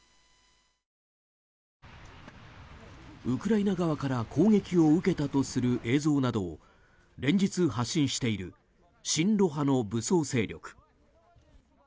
ウクライナ側から攻撃を受けたとする映像などを連日発信している親ロ派の武装勢力。